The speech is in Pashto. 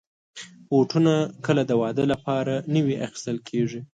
بوټونه کله د واده لپاره نوي اخیستل کېږي.